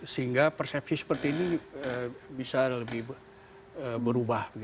sehingga persepsi seperti ini bisa lebih berubah